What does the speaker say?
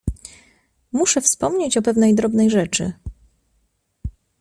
Muszę wspomnieć o pewnej drobnej rzeczy.